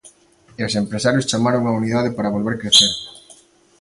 E os empresarios chamaron á unidade para volver crecer.